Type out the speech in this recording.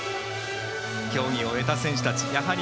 競技を終えた選手たち